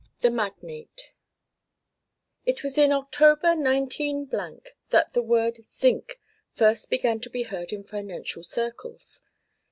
THE MAGNATE It was in October, 19 , that the word "Zinc" first began to be heard in financial circles.